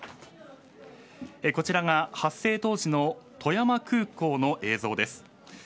こちらが発生当時の富山空港の映像です。